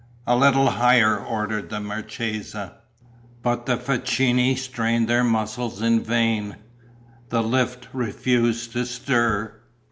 "A little higher!" ordered the marchesa. But the facchini strained their muscles in vain: the lift refused to stir.